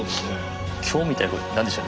今日みたく何でしょう